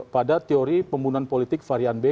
pada teori pembunuhan politik varian b